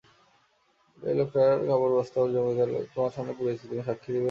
এই লোকটার কাপড়ের বস্তা ওর জমিদার তোমার সামনে পুড়িয়েছে, তুমি সাক্ষি দেবে না?